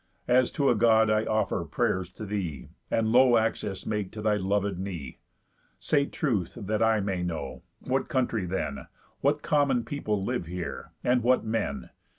As to a God I offer pray'rs to thee, And low access make to thy lovéd knee. Say truth, that I may know, what country then, What common people live here, and what men?